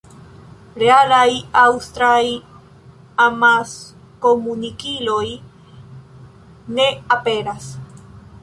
Realaj aŭstraj amaskomunikiloj ne aperas.